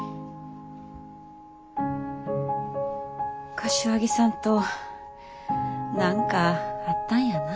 柏木さんと何かあったんやな。